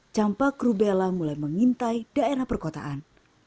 campak rubella mulai mengintai daerah perkotaan